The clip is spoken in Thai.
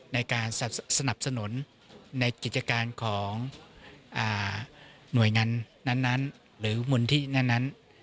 ในการสนับสนุนในกิจการของหน่วยงานนั้นหรือมูลที่นั้น